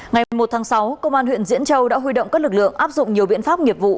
ngày một tháng sáu công an huyện diễn châu đã huy động các lực lượng áp dụng nhiều biện pháp nghiệp vụ